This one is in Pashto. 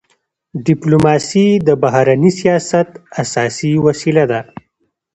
ډيپلوماسي د بهرني سیاست اساسي وسیله ده.